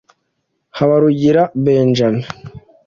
Habarugira Benjamin